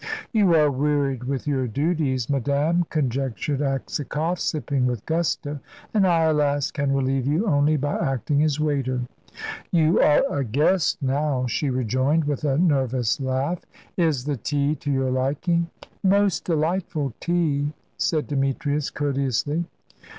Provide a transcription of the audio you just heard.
"You are wearied with your duties, madame," conjectured Aksakoff, sipping with gusto; "and I, alas, can relieve you only by acting as waiter." "You are a guest now," she rejoined, with a nervous laugh; "is the tea to your liking?" "Most delightful tea," said Demetrius, courteously.